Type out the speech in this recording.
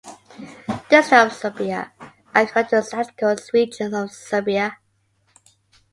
Districts of Serbia, according to the Statistical regions of Serbia.